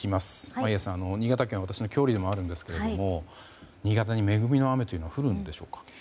眞家さん、新潟県は私は郷里でもあるんですが新潟に恵みの雨は降るんでしょうか。